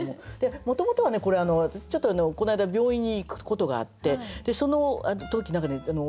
もともとはね私ちょっとこの間病院に行くことがあってその時何かね